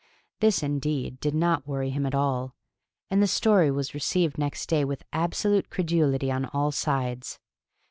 This, indeed, did not worry him at all; and the story was received next day with absolute credulity on all sides.